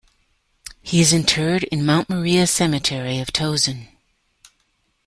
He is interred in Mount Maria Cemetery of Towson.